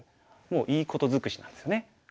もういいこと尽くしなんですよね。